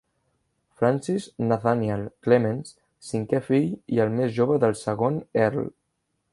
Francis Nathanial Clements, cinquè fill i el més jove del segon Earl.